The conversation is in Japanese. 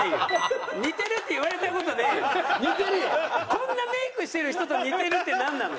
こんなメイクしている人と似てるってなんなの？